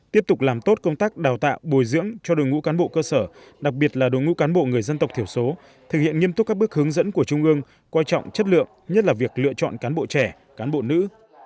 tiếp tục làm tốt công tác đào tạo bồi dưỡng cho đồng ngũ cán bộ cơ sở đặc biệt là đồng ngũ cán bộ người dân tộc thiểu số thực hiện nghiêm túc các bước hướng dẫn của trung ương quan trọng chất lượng nhất là việc lựa chọn cán bộ trẻ cán bộ nữ